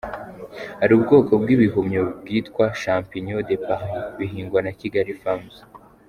Hari ubwoko bw’ibihumyo bwitwa ‘Champignons de Paris’ bihingwa na Kigali Farms.